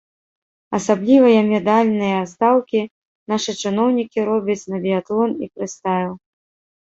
Асаблівыя медальныя стаўкі нашы чыноўнікі робяць на біятлон і фрыстайл.